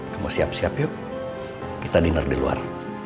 kamu siap siap yuk kita dengar di luar